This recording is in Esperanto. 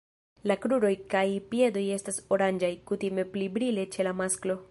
La kruroj kaj piedoj estas oranĝaj, kutime pli brile ĉe la masklo.